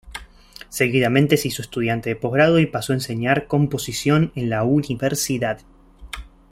Seguidamente se hizo estudiante de posgrado y pasó a enseñar composición en la universidad.